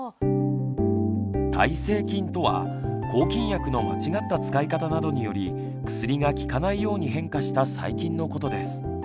「耐性菌」とは抗菌薬の間違った使い方などにより薬が効かないように変化した細菌のことです。